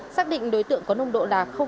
xác định đối tượng có nông độ đảm